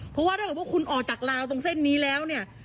เพราะว่าถ้าเกิดว่าคุณออกจากลาวตรงเส้นนี้แล้วเนี่ย